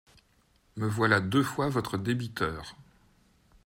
Me voilà deux fois votre débiteur.